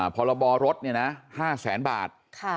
พรบรถ๕แสนบาท